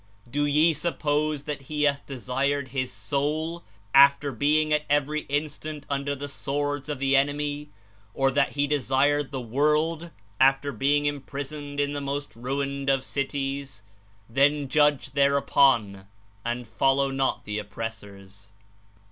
Do ye suppose that He hath desired His soul, after being at every instant under the swords of the enemy; or that He desired the world, after being imprisoned in the most ruined of cities? Then judge thereupon and follow not the oppressors.